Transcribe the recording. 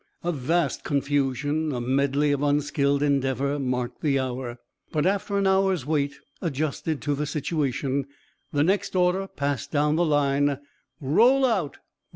A vast confusion, a medley of unskilled endeavor marked the hour. But after an hour's wait, adjusted to the situation, the next order passed down the line: "Roll out!